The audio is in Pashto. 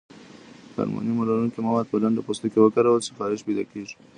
که المونیم لرونکي مواد په لنده پوستکي وکارول شي، خارښت پیدا کېږي.